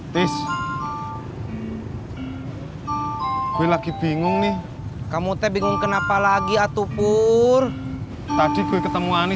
terus gue lagi bingung nih kamu teh bingung kenapa lagi atupur tadi gue ketemu ani